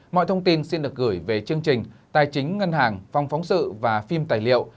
mọi thông tin xin được gửi về chương trình tài chính ngân hàng phòng phóng sự và phim tài liệu